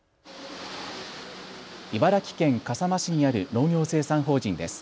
茨城県笠間市にある農業生産法人です。